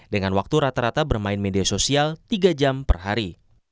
dengan waktu rata rata bermain media sosial tiga jam per hari